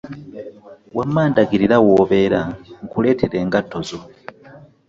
Wama ndagirira w'obeera nkuletere engatto zo.